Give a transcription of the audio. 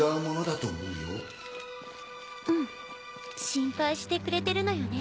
心配してくれてるのよね。